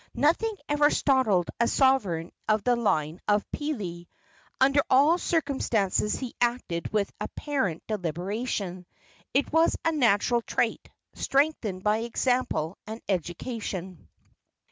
Nothing ever startled a sovereign of the line of Pili. Under all circumstances he acted with apparent deliberation. It was a natural trait, strengthened by example and education.